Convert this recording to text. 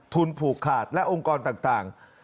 ผูกขาดและองค์กรต่าง